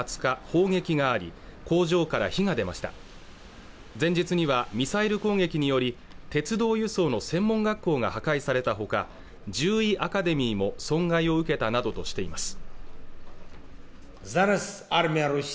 砲撃があり工場から火が出ました前日にはミサイル攻撃により鉄道輸送の専門学校が破壊されたほか獣医アカデミーも損害を受けたなどとしています